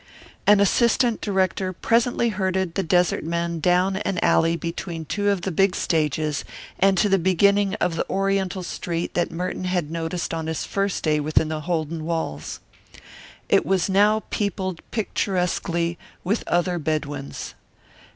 An assistant director presently herded the desert men down an alley between two of the big stages and to the beginning of the oriental street that Merton had noticed on his first day within the Holden walls. It was now peopled picturesquely with other Bedouins.